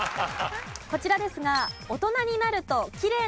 こちらですが。